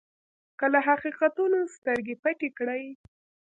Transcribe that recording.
که له حقیقتونو سترګې پټې کړئ.